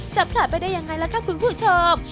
จะพลาดไปได้ยังไงล่ะค่ะคุณผู้ชม